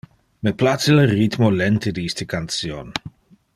Me place le rhythmo lente de iste cantion.